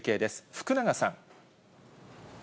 福永さん。